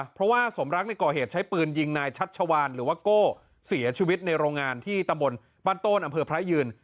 เพราะว่าสมรักในก่อเหตุใช้ปืนยิงนายชัชวานหรือว่าโก้เสียชีวิตในโรงงานที่ตำบลบ้านโตนอำเภอพระยืน